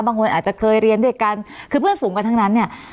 บางคนอาจจะเคยเรียนด้วยกันคือเพื่อนฝูงกันทั้งนั้นเนี่ย